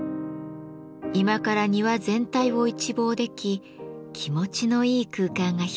居間から庭全体を一望でき気持ちのいい空間が広がります。